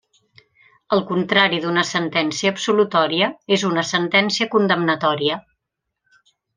El contrari d'una sentència absolutòria és una sentència condemnatòria.